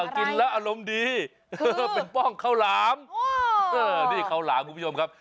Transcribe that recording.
กินแล้วอารมณ์ดีเป็นป้องข้าวหลามนี่ข้าวหลามคุณผู้ชมครับ